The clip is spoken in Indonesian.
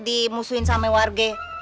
dimusuhin sama warge